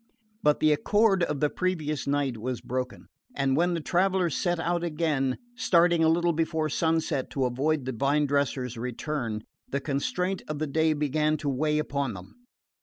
But the accord of the previous night was broken; and when the travellers set out again, starting a little before sunset to avoid the vine dresser's return, the constraint of the day began to weigh upon them.